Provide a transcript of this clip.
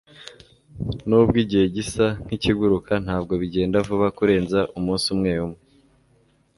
nubwo igihe gisa nkikiguruka, ntabwo bigenda vuba kurenza umunsi umwe umwe